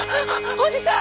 おじさん！